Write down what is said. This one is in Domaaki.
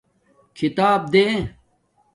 کھیتاپ دے